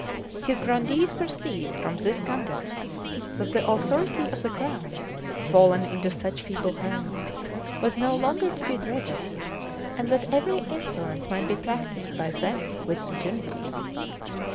His grandees perceived, from this conduct, that the authority of the crown, fallen into such feeble hands, was no longer to be dreaded, and that every insolence might be practised by them with impunity.